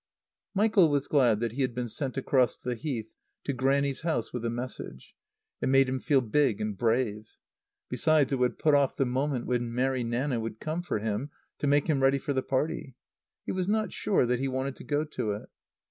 Michael was glad that he had been sent across the Heath to Grannie's house with a message. It made him feel big and brave. Besides, it would put off the moment when Mary Nanna would come for him, to make him ready for the party. He was not sure that he wanted to go to it.